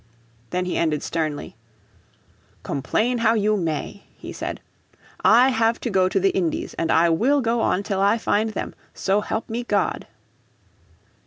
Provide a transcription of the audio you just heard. Then he ended sternly: "Complain how you may," he said, "I have to go to the Indies, and I will go on till I find them, so help me God."